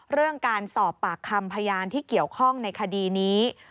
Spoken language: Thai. เรื่องการสอบปากคำพยานที่เกี่ยวข้องในคดีนี้